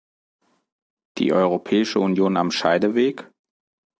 Die europäische Union am Scheideweg?